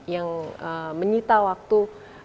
yang menyita waktu